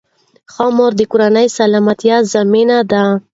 ښه مور د کورنۍ سلامتۍ ضامن ده.